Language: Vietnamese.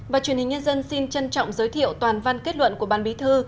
và truyền hình nhân dân xin trân trọng giới thiệu toàn văn kết luận của ban bí thư